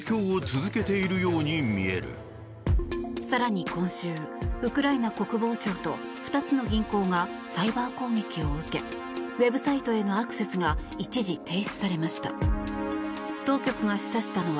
更に今週ウクライナ国防省と２つの銀行がサイバー攻撃を受けウェブサイトへのアクセスが一時、停止されました。